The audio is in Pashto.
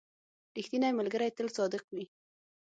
• ریښتینی ملګری تل صادق وي.